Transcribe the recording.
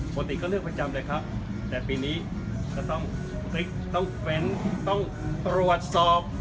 ปกติก็เลือกประจำเลยครับแต่ปีนี้ก็ต้องพลิกต้องเฟ้นต้องตรวจสอบ